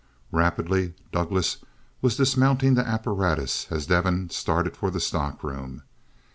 Rapidly, Douglass was dismounting the apparatus, as Devin started for the stock room.